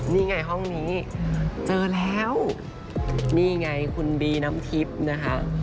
นี่ไงห้องนี้เจอแล้วนี่ไงคุณบีน้ำทิพย์นะคะ